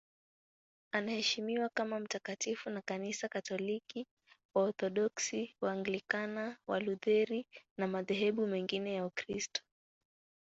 Anaheshimiwa kama mtakatifu na Kanisa Katoliki, Waorthodoksi, Waanglikana, Walutheri na madhehebu mengine ya Ukristo.